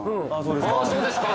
「あーそうですかー」